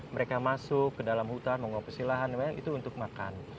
mereka masuk ke dalam hutan mengoperasi lahan itu untuk makan